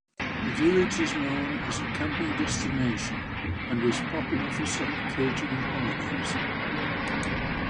The village is known as a camping destination and is popular for self-catering holidays.